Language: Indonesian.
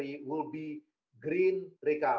yang berwarna hijau